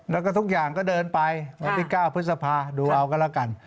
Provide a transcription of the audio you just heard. แล้วก็ทุกอย่างก็เดินไปวันที่๙พฤษภาดูเอาก็แล้วกัน